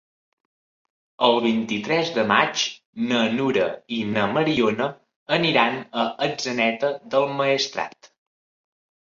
El vint-i-tres de maig na Nura i na Mariona aniran a Atzeneta del Maestrat.